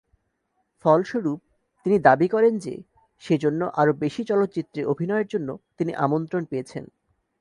ফলস্বরূপ, তিনি দাবী করেন যে, সে জন্য আরো বেশি চলচ্চিত্রে অভিনয়ের জন্য তিনি আমন্ত্রণ পেয়েছেন।